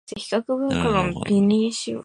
邂逅する毎に彼は車屋相当の気焔を吐く